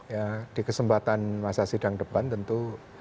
ya di kesempatan masa sidang depan tentu